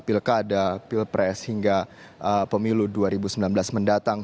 pilkada pilpres hingga pemilu dua ribu sembilan belas mendatang